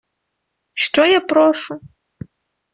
Що я прошу?